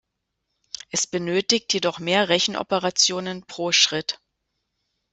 Es benötigt jedoch mehr Rechenoperationen pro Schritt.